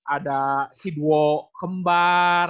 ada si duo kembar